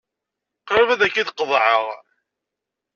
Qrib ad k-id-qeḍɛeɣ.